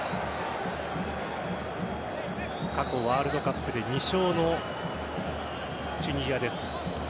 過去、ワールドカップで２勝のチュニジアです。